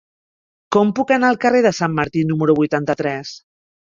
Com puc anar al carrer de Sant Martí número vuitanta-tres?